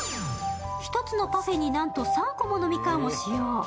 １つのパフェになんと３個もみかんを使用。